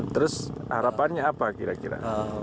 terus harapannya apa kira kira